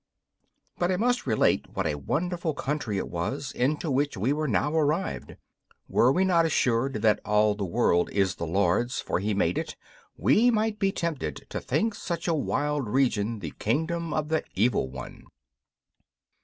But I must relate what a wonderful country it was into which we were now arrived. Were we not assured that all the world is the Lord's, for He made it, we might be tempted to think such a wild region the kingdom of the Evil One.